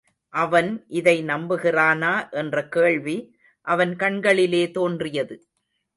அவன் இதை நம்புகிறானா என்ற கேள்வி அவன் கண்களிலே தோன்றியது.